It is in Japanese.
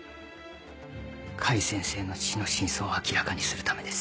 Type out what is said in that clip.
甲斐先生の死の真相を明らかにするためです。